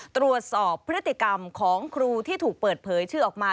ตรวจสอบพฤติกรรมของครูที่ถูกเปิดเผยชื่อออกมา